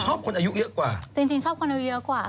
คนอายุเยอะกว่าจริงจริงชอบคนอายุเยอะกว่า